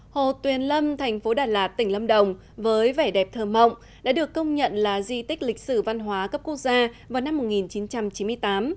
hồ tuyền lâm thành phố đà lạt tỉnh lâm đồng với vẻ đẹp thơ mộng đã được công nhận là di tích lịch sử văn hóa cấp quốc gia vào năm một nghìn chín trăm chín mươi tám